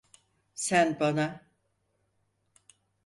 Sen bana…